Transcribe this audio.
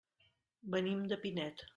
Venim de Pinet.